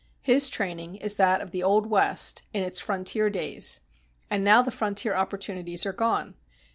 His training is that of the old West, in its frontier days. And now the frontier opportunities are gone.